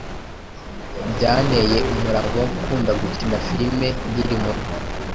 Byanteye umurava wo gukunda gukina filimi nkiri muto